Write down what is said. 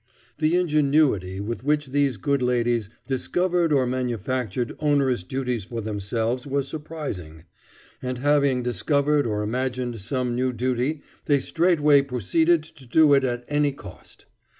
The ingenuity with which these good ladies discovered or manufactured onerous duties for themselves was surprising, and having discovered or imagined some new duty they straightway proceeded to do it at any cost.